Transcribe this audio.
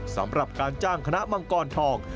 สำหรับการจ้างคณะมังกรทอง